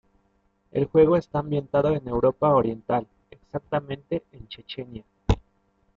El juego está ambientado en Europa oriental, exactamente en Chechenia.